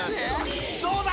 どうだ！？